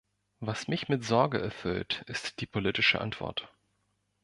Was mich mit Sorge erfüllt, ist die politische Antwort.